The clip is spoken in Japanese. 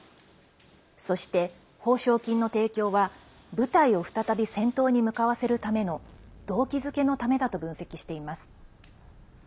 そして、報奨金の提供は部隊を再び戦闘に向かわせるための動機づけのためだと分析しています。